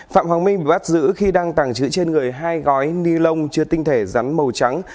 phạm hoàng minh bị bắt giữ khi đang tàng trữ trên người hai gói ni lông chưa tinh thể rắn màu trắng